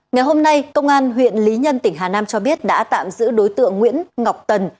ngày hôm nay công an huyện lý nhân tỉnh hà nam cho biết đã tạm giữ đối tượng nguyễn ngọc tần